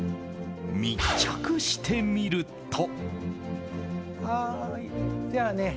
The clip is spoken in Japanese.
密着してみると。